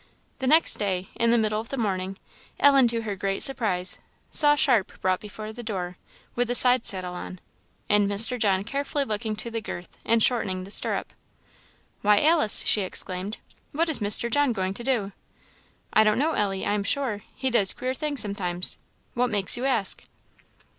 The next day, in the middle of the morning, Ellen, to her great surprise, saw Sharp brought before the door, with the side saddle on, and Mr. John carefully looking to the girth, and shortening the stirrup. "Why, Alice," she exclaimed, "what is Mr. John going to do?" "I don't know, Ellie, I am sure; he does queer things sometimes. What makes you ask?"